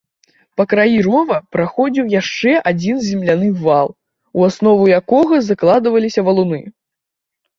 Па краі рова праходзіў яшчэ адзін земляны вал, у аснову якога закладваліся валуны.